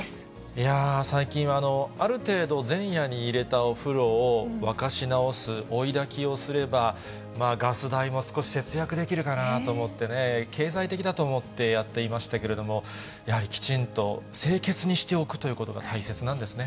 いやぁ、最近は、ある程度、前夜に入れたお風呂を沸かし直す、追いだきをすれば、ガス代も少し節約できるかなと思ってね、経済的だと思ってやっていましたけれども、やはりきちんと清潔にしておくということが大切なんですね。